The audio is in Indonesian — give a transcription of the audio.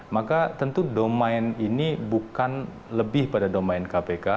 maka tentu domain ini bukan lebih pada domain kpk